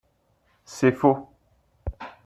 C’est faux